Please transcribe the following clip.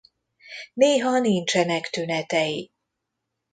Néha nincsenek tünetei.